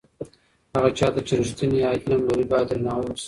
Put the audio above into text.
هغه چا ته چې رښتینی علم لري باید درناوی وسي.